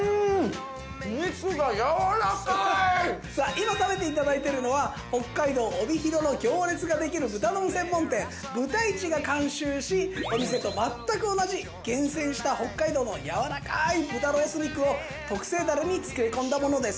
今食べて頂いているのは北海道帯広の行列ができる豚丼専門店ぶたいちが監修しお店と全く同じ厳選した北海道の柔らかい豚ロース肉を特製ダレに漬け込んだものです。